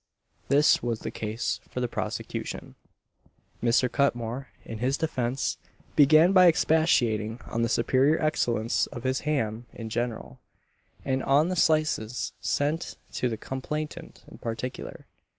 This was the case for the prosecution. Mr. Cutmore, in his defence, began by expatiating on the superior excellence of his ham in general, and on the slices sent to the complainant in particular.